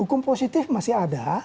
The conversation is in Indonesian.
hukum positif masih ada